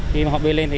khi mà họ bê lên thì em